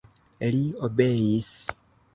Li obeis.